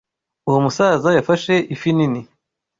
Uwo musaza yafashe ifi nini.